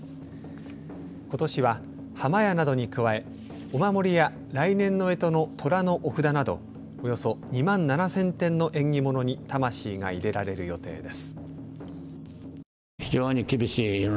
ことしは破魔矢などに加えお守りや来年のえとのとらのお札などおよそ２万７０００点の縁起物に魂が入れられる予定です。